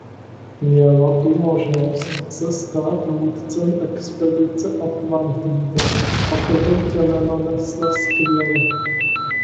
Měla tu možnost se stát vůdcem expedice Atlantida a toto břemeno nesla skvěle.